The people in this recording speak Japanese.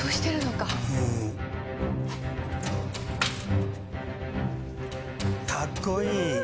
かっこいい！